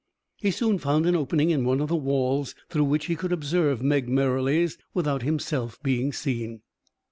He soon found an opening in one of the walls through which he could observe Meg Merrilies without himself being seen.